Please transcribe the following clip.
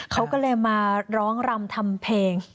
เขาก็เลยมาร้องรำทำเพลง